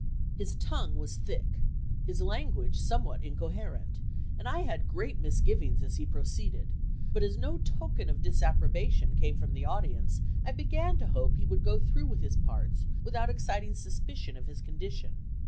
His tongue was thick, his language somewhat incoherent, and I had great misgivings as he proceeded; but as no token of disapprobation came from the audience, I began to hope he would go through with his parts without exciting suspicion of his condition.